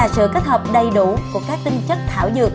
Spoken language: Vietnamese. sự kết hợp đầy đủ của các tinh chất thảo dược